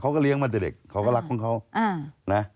เค้าก็เลี้ยงมาจากเด็กเค้าก็รักของเค้า